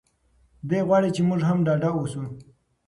دی غواړي چې موږ هم ډاډه اوسو.